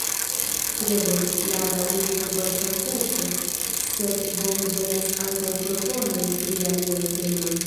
Streboj al daŭripova estonteco, sed bonvenas ankaŭ proponoj pri aliaj temoj.